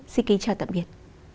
xin kính chào tạm biệt